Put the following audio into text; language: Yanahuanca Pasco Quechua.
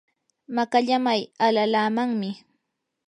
makallamay alalaamanmi.